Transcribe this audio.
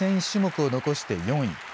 １種目を残して４位。